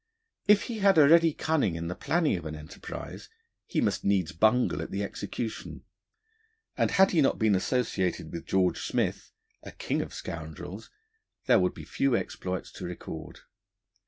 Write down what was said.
If he had a ready cunning in the planning of an enterprise, he must needs bungle at the execution; and had he not been associated with George Smith, a king of scoundrels, there would be few exploits to record.